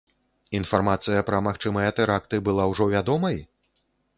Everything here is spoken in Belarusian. Інфармацыя пра магчымыя тэракты была ўжо вядомай?